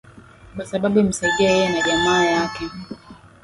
kwa sababu imusaidie yeye na jamaa yake